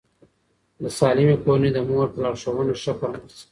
د سالمې کورنۍ د مور په لارښوونه ښه پرمخ ځي.